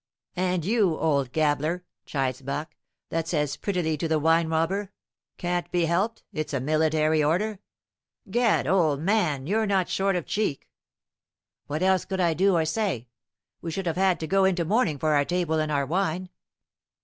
"And you, old gabbler," chides Barque, "that says prettily to the wine robber, 'Can't be helped, it's a military order'! Gad, old man, you're not short of cheek!" "What else could I do or say? We should have had to go into mourning for our table and our wine.